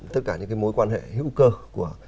tất cả những cái mối quan hệ hữu cơ của